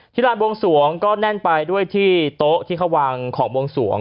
ร้านบวงสวงก็แน่นไปด้วยที่โต๊ะที่เขาวางของบวงสวง